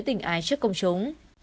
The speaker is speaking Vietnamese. tình ái trước công chúng